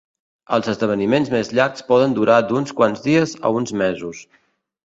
Els esdeveniments més llargs poden durar d'uns quants dies a uns mesos.